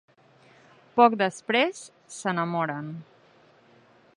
Poc després, s'enamoren.